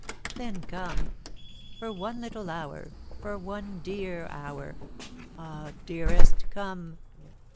"Then come. For one little hour for one dear hour ah, dearest, come!"